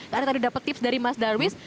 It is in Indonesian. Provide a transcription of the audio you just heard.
karena tadi dapet tips dari mas darwish